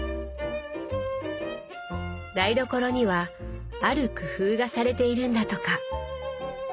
台所にはある工夫がされているんだとか。